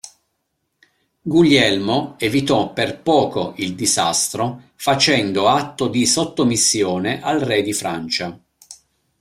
Guglielmo evitò per poco il disastro facendo atto di sottomissione al re di Francia.